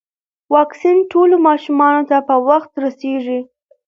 واکسین ټولو ماشومانو ته په وخت رسیږي.